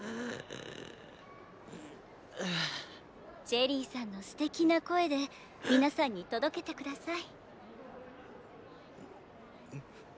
チェリーさんのステキな声で皆さんに届けて下さい。